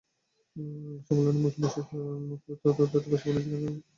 সম্মেলনের মূল বিষয় তুলে ধরতে ব্যবসা-বাণিজ্যকেন্দ্রিক কর্ম-অধিবেশনকে চারটি পর্বে ভাগ করা হয়েছে।